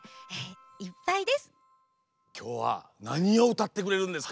きょうはなにをうたってくれるんですか？